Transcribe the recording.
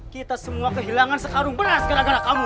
kita semua kehilangan sekarung beras gara gara kamu